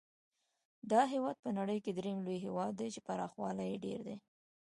دا هېواد په نړۍ کې درېم لوی هېواد دی چې پراخوالی یې ډېر دی.